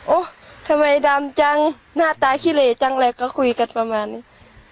ทำไมดำจังหน้าตาขี้เหลจังอะไรก็คุยกันประมาณนี้